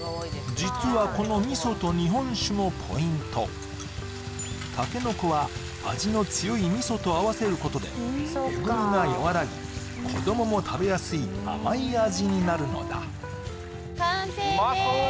実はこの味噌と日本酒もポイントタケノコは味の強い味噌と合わせることでえぐみが和らぎ子どもも食べやすい甘い味になるのだ完成でーす・うまそう！